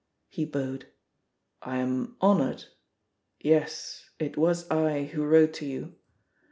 He bowed. "I am honoured. Yes, it was I who wrote to you.